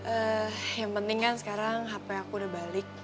eh yang penting kan sekarang hp aku udah balik